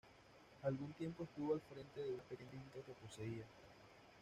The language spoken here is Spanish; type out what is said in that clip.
Algún tiempo estuvo al frente de una pequeña finca que poseía.